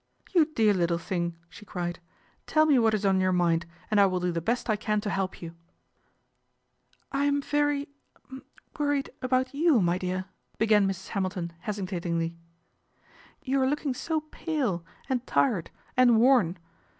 " You dear little thing," she cried, " tell me what is on your mind, and I will do the best I can to help you." 234 PATRICIA BRENT, SPINSTER " I am very er worried about you, my dear," began Mrs. Hamilton hesitatingly. " You are looking so pale and tired and worn.